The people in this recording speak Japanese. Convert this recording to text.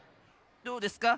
どうですか？